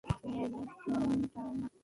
তুমি একজন ইটারনাল।